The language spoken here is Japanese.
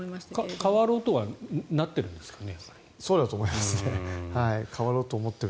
変わろうとはなっているんですかね。